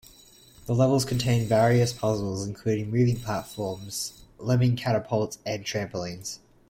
The levels contain various puzzles including moving platforms, lemming catapults, and trampolines.